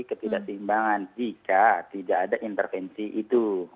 jadi ketidakseimbangan jika tidak ada intervensi itu